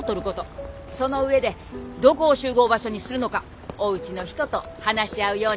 その上でどこを集合場所にするのかおうちの人と話し合うように。